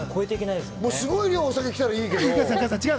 すごい量のお酒来たらいいけど。